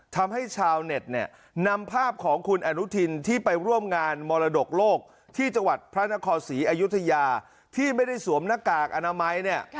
ทำให้ชาวเน็ตเนี่ยนำภาพของคุณอนุทินที่ไปร่วมงานมรดกโลกที่จังหวัดพระนครศรีอยุธยาที่ไม่ได้สวมหน้ากากอนามัยเนี่ย